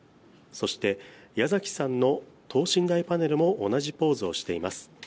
そして、矢崎さんの等身大パネルも同じポーズをしています。